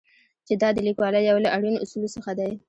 چې دا د لیکوالۍ یو له اړینو اصولو څخه دی.